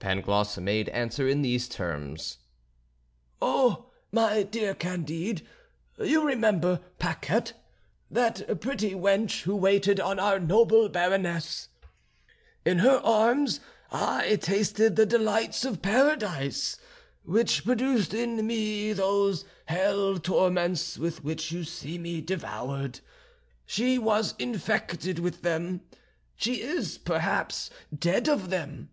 Pangloss made answer in these terms: "Oh, my dear Candide, you remember Paquette, that pretty wench who waited on our noble Baroness; in her arms I tasted the delights of paradise, which produced in me those hell torments with which you see me devoured; she was infected with them, she is perhaps dead of them.